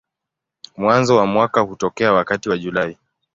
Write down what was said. Mwanzo wa mwaka hutokea wakati wa Julai.